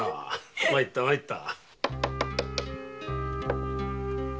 参った参った。